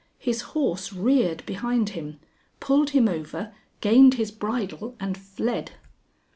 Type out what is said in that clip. His horse reared behind him, pulled him over, gained his bridle and fled.